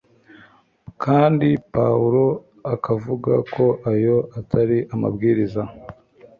kandi pawulo akavuga ko ayo atari amabwirizwa